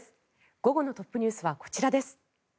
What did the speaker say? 午後のトップＮＥＷＳはこちらです。